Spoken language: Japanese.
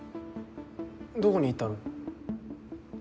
どこに行ったの？